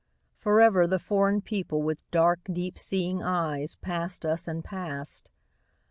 Forever the foreign people with dark, deep seeing eyes Passed us and passed.